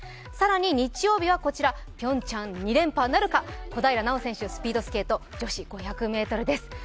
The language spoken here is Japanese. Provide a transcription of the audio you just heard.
更に日曜日はこちら、ピョンチャン２連覇なるか、小平奈緒選手、スピードスケート女子５００ｍです。